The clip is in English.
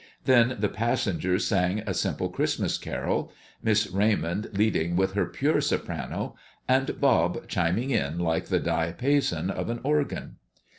Then the passengers sang a simple Christmas carol, Miss Raymond leading with her pure soprano, and Bob chiming in like the diapason of an organ.